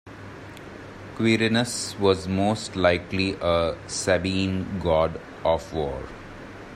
Quirinus was most likely a Sabine god of war.